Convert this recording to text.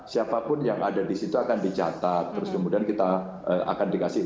siapapun yang ada di situ akan dicatat terus kemudian kita akan dikasih